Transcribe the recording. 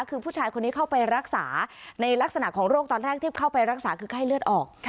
คือผู้ชายคนนี้เข้าไปรักษาในลักษณะของโรคตอนแรกที่เข้าไปรักษาคือไข้เลือดออก